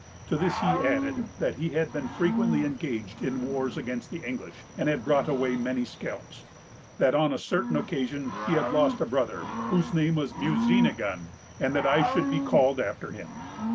To this he added, that he had been frequently engaged in wars against the English, and had brought away many scalps; that, on a certain occasion, he had lost a brother, whose name was Musinigon, and that I should be called after him.